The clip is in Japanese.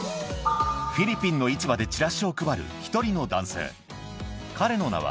フィリピンの市場でチラシを配る１人の男性彼の名は